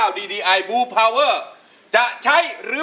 ไม่ใช้ไม่ใช้ไม่ใช้ไม่ใช้ไม่ใช้ไม่ใช้